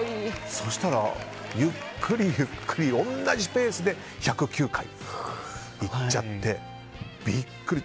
そしたらゆっくり、ゆっくり同じペースで１０９回いっちゃってビックリ。